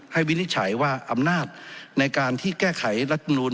วินิจฉัยว่าอำนาจในการที่แก้ไขรัฐมนูล